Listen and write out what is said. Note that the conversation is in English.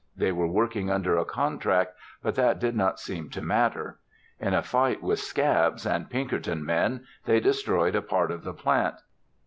They were working under a contract but that did not seem to matter. In a fight with "scabs" and Pinkerton men they destroyed a part of the plant.